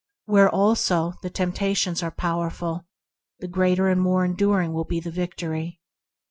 Where, also, tempta tions are powerful, greater and more enduring will be the victory.